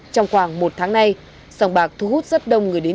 trong khoảng một tháng nay sòng bạc thu hút rất đông người đến